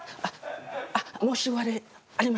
あっ申し訳ありません！